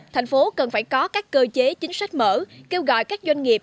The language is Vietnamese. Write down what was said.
thành phố cần phải có các cơ chế chính sách mở kêu gọi các doanh nghiệp